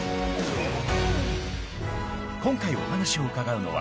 ［今回お話を伺うのは］